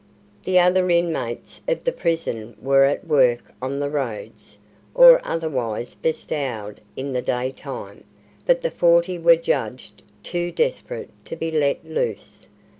The other inmates of the prison were at work on the roads, or otherwise bestowed in the day time, but the forty were judged too desperate to be let loose.